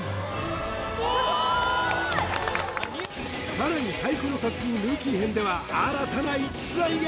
さらに太鼓の達人ルーキー編では新たな逸材が